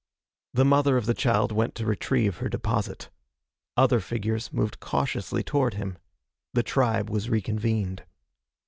The mother of the child went to retrieve her deposit. Other figures moved cautiously toward him. The tribe was reconvened.